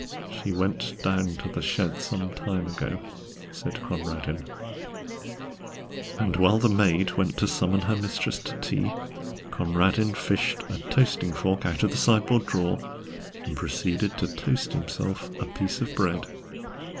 "She went down to the shed some time ago," said Conradin. And while the maid went to summon her mistress to tea, Conradin fished a toasting fork out of the sideboard drawer and proceeded to toast himself a piece of bread.